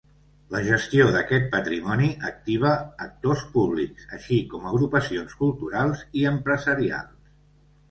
La gestió d'aquest patrimoni activa actors públics així com agrupacions culturals i empresarials.